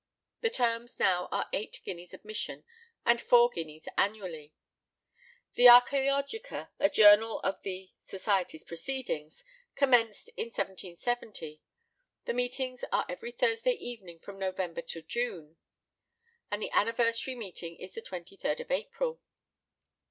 The terms now are eight guineas admission, and four guineas annually. The Archæologia, a journal of the society's proceedings, commenced in 1770. The meetings are every Thursday evening from November to June, and the anniversary meeting is the 23d of April.